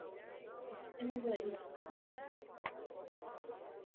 malkia elizabeth alipokea maua kutoka kwa watu mbalimbali